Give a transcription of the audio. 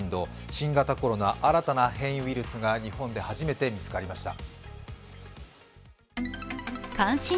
新型コロナ新たな変異ウイルスが日本で初めて見つかりました。